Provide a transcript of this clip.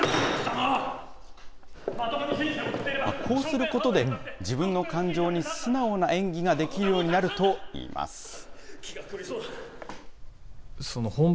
こうすることで、自分の感情に素直な演技ができるようになるといいます。